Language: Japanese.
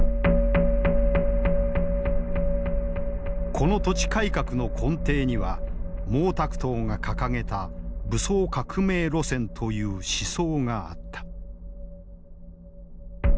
この土地改革の根底には毛沢東が掲げた「武装革命路線」という思想があった。